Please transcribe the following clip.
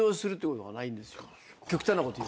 極端なこというと。